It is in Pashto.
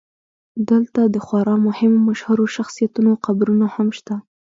دلته د خورا مهمو مشهورو شخصیتونو قبرونه هم شته.